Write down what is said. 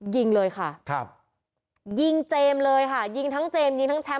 ยิงเลยค่ะครับยิงเจมส์เลยค่ะยิงทั้งเจมสยิงทั้งแชมป